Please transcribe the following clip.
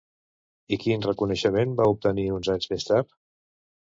I quin reconeixement va obtenir uns anys més tard?